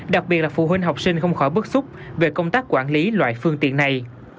đặc biệt là phụ huynh học sinh không khỏi bức xúc về công tác quản lý loại phương tiện này